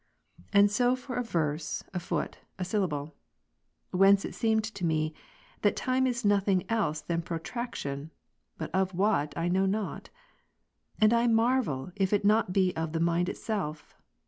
And so for a verse, a foot, a syllable. Whence it seemed to me, that time is nothing else than protraction ; but of what, I know not ; and I marvel, if it be not of the mind itself